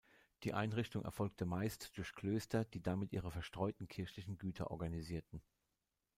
Die Einrichtung erfolgte meist durch Klöster, die damit ihre verstreuten kirchlichen Güter organisierten.